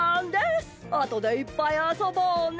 あとでいっぱいあそぼうね！